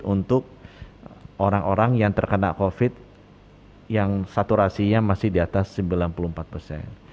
untuk orang orang yang terkena covid yang saturasinya masih di atas sembilan puluh empat persen